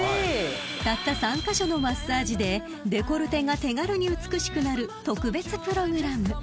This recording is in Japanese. ［たった３カ所のマッサージでデコルテが手軽に美しくなる特別プログラム］